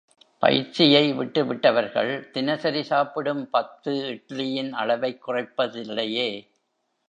பயிற்சியை விட்டு விட்டவர்கள் தினசரி சாப்பிடும் பத்து இட்லியின் அளவைக் குறைப்பதில்லையே!